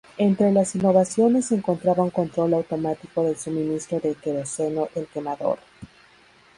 Entre las innovaciones se encontraba un control automático del suministro de queroseno del quemador.